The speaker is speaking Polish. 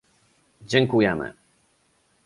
"Dziękujemy